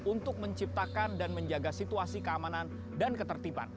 untuk menciptakan dan menjaga situasi keamanan dan ketertiban